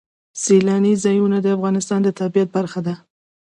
سیلانی ځایونه د افغانستان د طبیعت برخه ده.